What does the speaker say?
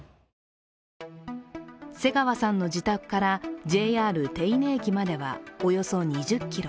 瀬川さんの自宅からＪＲ手稲駅まではおよそ２０ｋｍ。